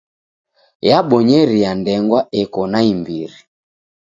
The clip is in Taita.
Yabonyeria ndengwa eko naimbiri.